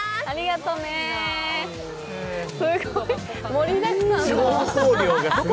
盛りだくさん。